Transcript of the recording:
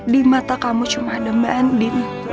di mata kamu cuma ada mbak andi